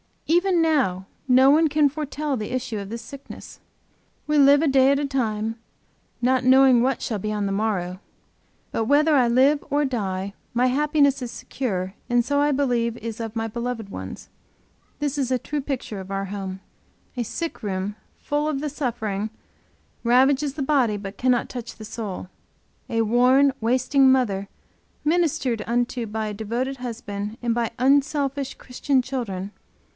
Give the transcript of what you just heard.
Even now no one can foretell the issue of this sickness. We live a day at a time not knowing what shall be on the morrow. But whether I live or die my happiness is secure and so I believe is of my beloved ones. This is a true picture of our home: A sick room full of the suffering ravages the body but cannot touch the soul. A worn, wasting mother ministered unto by a devoted husband and by unselfish Christian children.